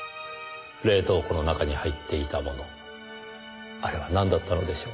冷凍庫の中に入っていたものあれはなんだったのでしょう？